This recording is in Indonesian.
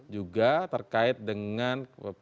juga terkait dengan kepolisian